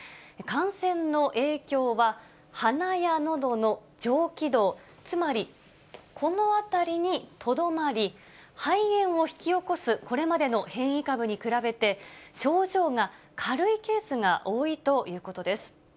感染の影響は、鼻やのどの上気道、つまり、この辺りにとどまり、肺炎を引き起こすこれまでの変異株に比べて、症状が軽いケースが多いということです。